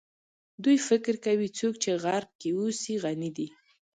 دوی فکر کوي څوک چې غرب کې اوسي غني دي.